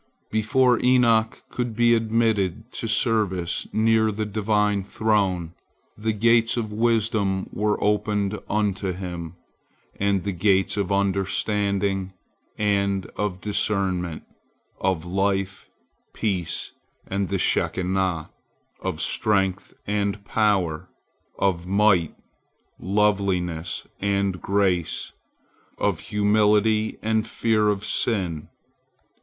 Before Enoch could be admitted to service near the Divine throne, the gates of wisdom were opened unto him, and the gates of understanding, and of discernment, of life, peace, and the Shekinah, of strength and power, of might, loveliness, and grace, of humility and fear of sin.